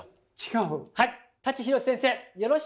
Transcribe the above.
はい！